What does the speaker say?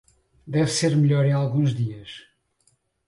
Deve ser melhor em alguns dias.